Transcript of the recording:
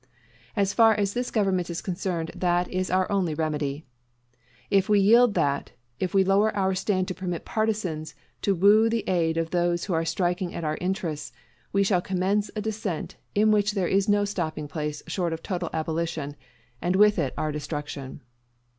As far as this government is concerned, that is our only remedy. If we yield that, if we lower our stand to permit partisans to woo the aid of those who are striking at our interests, we shall commence a descent in which there is no stopping place short of total abolition, and with it our destruction.